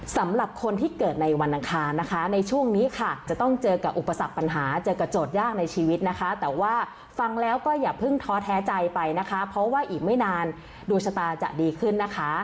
สำหรับคนที่เกิดในวันอังคารนะคะในช่วงนี้ค่ะจะต้องเจอกับอุปสรรคปัญหาเจอกับโจทยากในชีวิตนะคะแต่ว่าฟังแล้วก็อย่าเพิ่งท้อแท้ใจไปนะคะเพราะว่าอีกไม่นานดวงชะตาจะดีขึ้นนะคะ